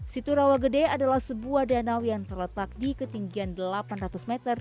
siturawa gede adalah sebuah danau yang terletak di ketinggian delapan ratus meter di atas tanah